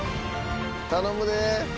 頼むで！